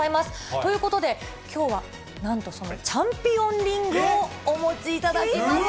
ということで、きょうはなんとそのチャンピオンリングをお持ちいうわー！